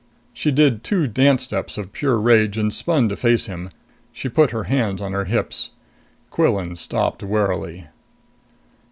She did two dance steps of pure rage and spun to face him. She put her hands on her hips. Quillan stopped warily.